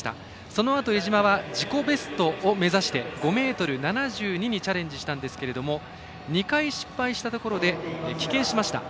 そのあと、江島は自己ベストを目指して５ｍ７２にチャレンジしたんですが２回失敗したところで棄権しました。